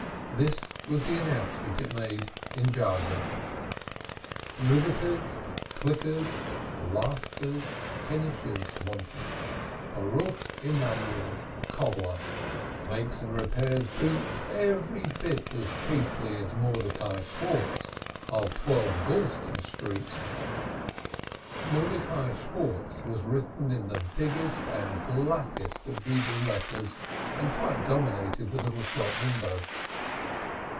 This was the announcement it made in jargon: Riveters, Clickers, Lasters, Finishers, Wanted. BARUCH EMANUEL, Cobbler. Makes and Repairs Boots. Every Bit as Cheaply as MORDECAI SCHWARTZ, of 12 Goulston Street. Mordecai Schwartz was written in the biggest and blackest of Hebrew letters, and quite dominated the little shop window.